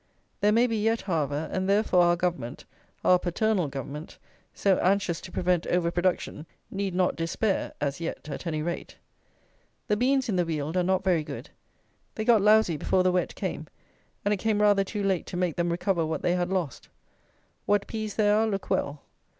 There may be yet, however; and therefore our Government, our "paternal Government," so anxious to prevent "over production," need not despair as yet, at any rate. The beans in the Weald are not very good. They got lousy before the wet came; and it came rather too late to make them recover what they had lost. What peas there are look well.